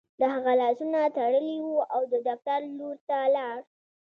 د هغه لاسونه تړلي وو او د دفتر لور ته لاړ